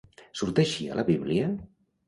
Surt així a la Bíblia?